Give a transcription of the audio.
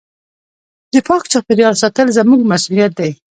د پاک چاپېریال ساتل زموږ مسؤلیت دی.